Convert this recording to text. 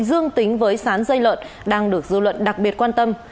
dương tính với sán dây lợn đang được dư luận đặc biệt quan tâm